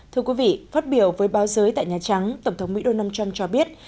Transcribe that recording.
thưa quý vị phát biểu với báo giới tại nhà trắng tổng thống mỹ donald trump cho biết